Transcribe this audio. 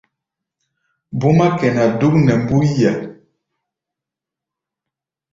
Búmá kɛná dúk nɛ mbúía.